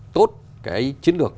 tốt cái chiến lược